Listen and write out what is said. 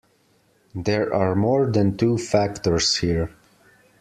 There are more than two factors here.